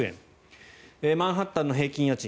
マンハッタンの平均家賃